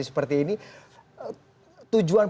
seperti ini tujuan